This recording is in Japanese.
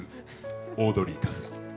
オードリー、春日。